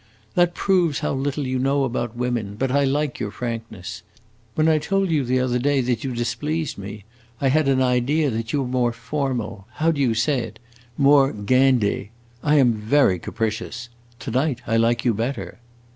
"That proves how little you know about women. But I like your frankness. When I told you the other day that you displeased me, I had an idea you were more formal, how do you say it? more guinde. I am very capricious. To night I like you better."